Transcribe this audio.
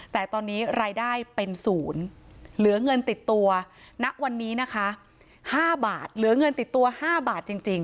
แต่ตอนนี้รายได้เป็นศูนย์เหลือเงินติดตัวณวันนี้นะคะ๕บาทเหลือเงินติดตัว๕บาทจริง